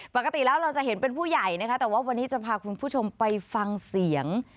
ปกติแล้วเราจะเห็นเป็นผู้ใหญ่นะคะแต่ว่าวันนี้จะพาคุณผู้ชมไปฟังเสียง